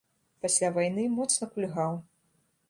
Пасля вайны моцна кульгаў.